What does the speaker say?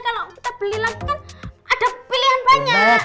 kalo kita beli lagi kan ada pilihan banyak